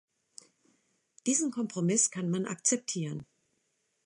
Diesen Kompromiss kann man akzeptieren.